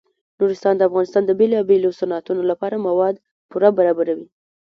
نورستان د افغانستان د بیلابیلو صنعتونو لپاره مواد پوره برابروي.